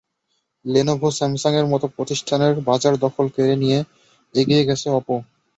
Lenovo, স্যামসাংয়ের মতো প্রতিষ্ঠানের বাজার দখল কেড়ে নিয়ে এগিয়ে গেছে অপো।